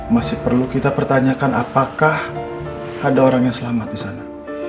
masih perlu kita pertanyakan apakah ada orang yang selamat di sana